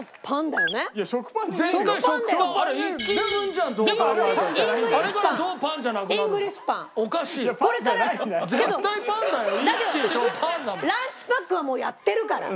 だけどランチパックはもうやってるから。